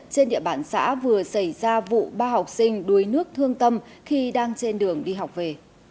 trên địa bàn xã vừa xảy ra vụ ba học sinh đuối nước thương tâm khi đang trên đường đi học về